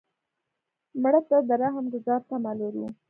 مړه ته د رحم ګذار تمه لرو